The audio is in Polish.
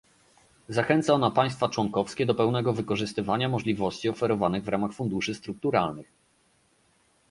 Zachęca ona państwa członkowskie do pełnego wykorzystywania możliwości oferowanych w ramach funduszy strukturalnych